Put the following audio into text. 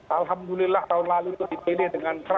alhamdulillah tahun lalu itu dipilih dengan keras